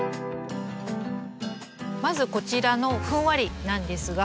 まずこちらのふんわりなんですが。